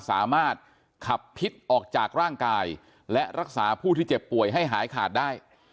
สามารถขับพิษออกจากร่างกายและรักษาผู้ที่เจ็บป่วยให้หายขาดได้